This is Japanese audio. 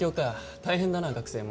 大変だな学生も。